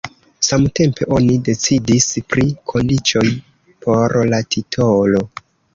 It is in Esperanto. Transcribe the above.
Samtempe oni decidis pri kondiĉoj por la titolo.